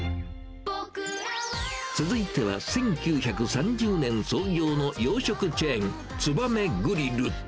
続いては１９３０年創業の洋食チェーン、つばめグリル。